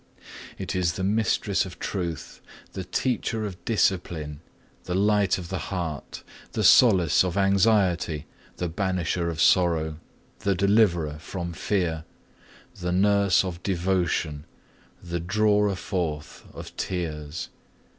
6. It is the mistress of truth, the teacher of discipline, the light of the heart, the solace of anxiety, the banisher of sorrow, the deliverer from fear, the nurse of devotion, the drawer forth of tears.